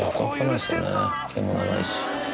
毛も長いし。